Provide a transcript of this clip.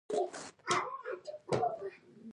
استاد د انسان اندیشه بډایه کوي.